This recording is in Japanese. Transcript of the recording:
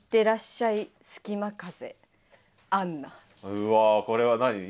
うわこれは何？